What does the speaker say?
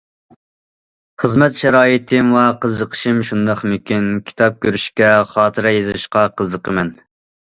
خىزمەت شارائىتىم ۋە قىزىقىشىم شۇنداقمىكىن، كىتاب كۆرۈشكە، خاتىرە يېزىشقا قىزىقىمەن.